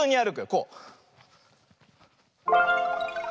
こう。